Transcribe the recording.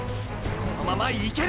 このままいける！！